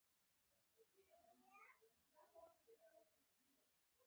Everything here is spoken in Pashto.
موږ د مجرم په اړه هیڅ نښه نلرو.